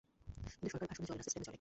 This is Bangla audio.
কিন্তু সরকার ভাষণে চলে না, সিস্টেমে চলে।